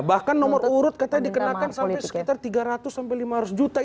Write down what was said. bahkan nomor urut katanya dikenakan sampai sekitar tiga ratus sampai lima ratus juta